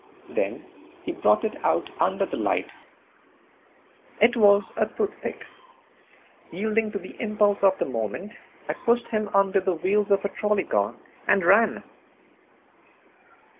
Then he brought it out under the light. It was a toothpick. Yielding to the impulse of the moment I pushed him under the wheels of a trolley car, and ran.